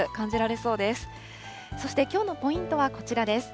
そして、きょうのポイントはこちらです。